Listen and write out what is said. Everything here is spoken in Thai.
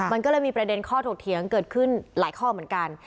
มันก็เลยมีประเด็นข้อถกเถียงเกิดขึ้นหลายข้อเหมือนกัน